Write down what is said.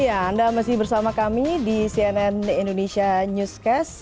ya anda masih bersama kami di cnn indonesia newscast